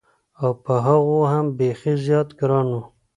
او په هغو هم بېخي زیات ګران و.